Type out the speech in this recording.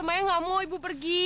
mamanya gak mau ibu pergi